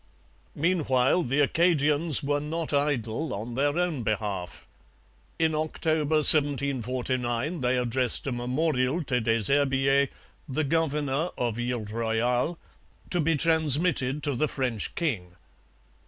Meanwhile the Acadians were not idle on their own behalf. In October 1749 they addressed a memorial to Des Herbiers, the governor of Ile Royale, to be transmitted to the French king.